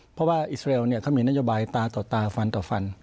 เพราะว่าอิสราเอลเขามีนโยบายตาต่อตาฟันต่อฟัน